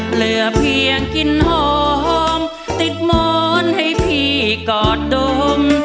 เหลือเพียงกินหอมติดหมอนให้พี่กอดดม